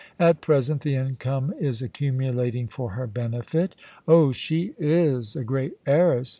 At present the income is accumulating for her benefit Oh, she is a great heiress.